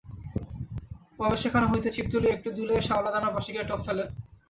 পবে সেখান হইতে ছিপ তুলিয়া একটু দূলে শ্যাওলা দামের পাশে গিয়া টোপ ফেলে।